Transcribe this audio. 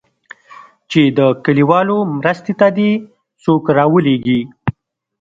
چې د كليوالو مرستې ته دې څوك راولېږي.